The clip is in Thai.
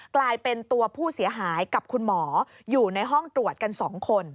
กลายเป็นตัวผู้เสียหายกับคุณหมออยู่ในห้องตรวจกัน๒คน